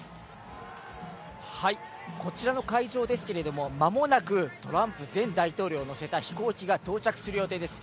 こちらの会場ですけれども、間もなくトランプ前大統領を乗せた飛行機が到着する予定です。